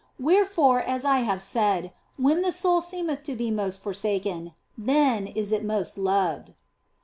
Wherefore, as I have said, when the soul seemeth to be most forsaken, then is it most loved."